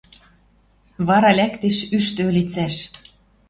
Вара лӓктеш ӱштӹ ӧлицӓш.